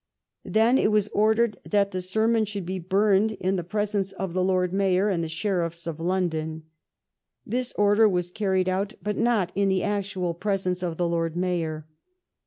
Then it was ordered that the sermon should be burned in the presence of the Lord Mayor and the sheriffs of London. This order was carried out, but not in the actual presence of the Lord Mayor.